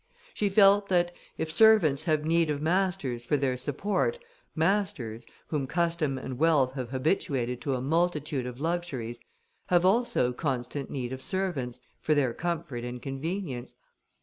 She felt that, if servants have need of masters for their support, masters, whom custom and wealth have habituated to a multitude of luxuries, have also constant need of servants, for their comfort and convenience.